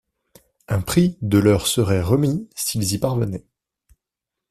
Un prix de leur serait remis s’ils y parvenaient.